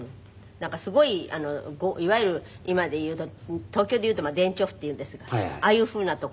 なんかすごいいわゆる今でいうと東京でいうと田園調布っていうんですがああいうふうな所